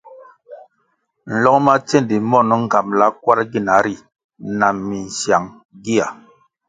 Nlong ma tsendi mon ngambʼla kwarʼ gina ri na minsyang gia.